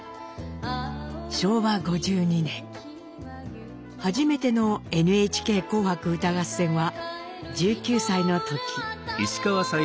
昭和５２年初めての「ＮＨＫ紅白歌合戦」は１９歳の時。